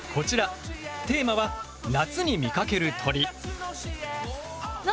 テーマは夏に見かける鳥！